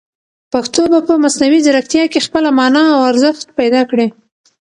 پښتو به په مصنوعي ځیرکتیا کې خپله مانا او ارزښت پیدا کړي.